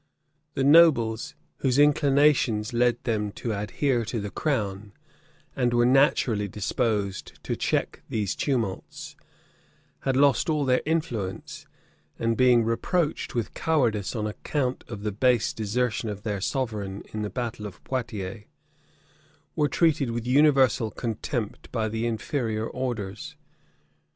The nobles, whose inclinations led them to adhere to the crown, and were naturally disposed to check these tumults, had lost all their influence; and being reproached with cowardice on account of the base desertion of their sovereign in the battle of Poiotiers, were treated with universal contempt by the inferior orders.